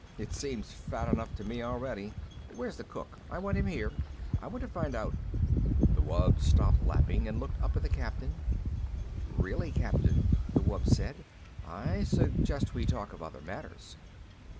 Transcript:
It seems fat enough to me already. Where's the cook? I want him here. I want to find out " The wub stopped lapping and looked up at the Captain. "Really, Captain," the wub said. "I suggest we talk of other matters."